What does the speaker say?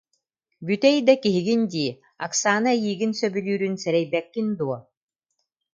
Бүтэй да киһигин дии, Оксана эйигин сөбүлүүрүн сэрэйбэккин дуо